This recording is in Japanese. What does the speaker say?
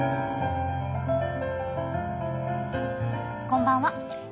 こんばんは。